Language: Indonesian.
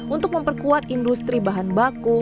untuk memperkuat industri bahan baku